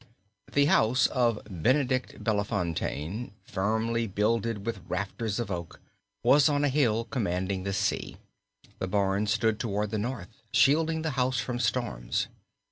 The house of Benedict Bellefontaine, firmly builded with rafters of oak, was on a hill commanding the sea. The barns stood toward the north, shielding the house from storms.